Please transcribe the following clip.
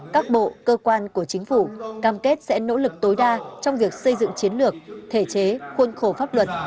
các bộ cơ quan của chính phủ cam kết sẽ nỗ lực tối đa trong việc xây dựng chiến lược thể chế khuôn khổ pháp luật